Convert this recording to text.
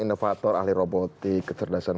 innovator ahli robotik kecerdasan